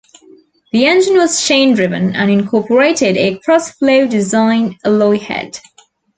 The engine was chain-driven and incorporated a cross-flow design alloy head.